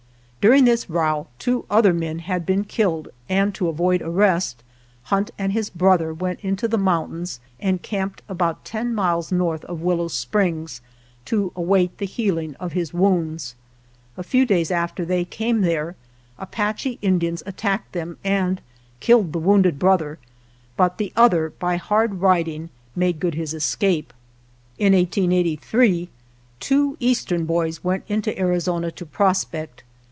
During this row two other men had been killed, and, to avoid arrest, Hunt and his brother went into the mountains and camped about ten miles north of Willow Springs to await the healing of his wounds. A few days after they came there, Apache Indians attacked them and killed the wounded brother, but the other, by hard riding, made good his escape. In 1883 two Eastern boys went into Ari zona to prospect.